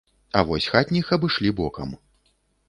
А вось хатніх абышлі бокам.